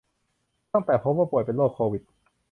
ตั้งแต่พบว่าป่วยเป็นโรคโควิด